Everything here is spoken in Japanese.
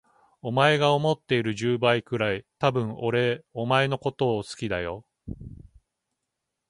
お前が思っている十倍くらい、多分俺お前のこと好きだよ。